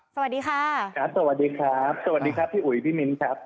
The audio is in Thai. สวัสดีครับสวัสดีครับพี่อุ๋ยพี่มิ้นครับ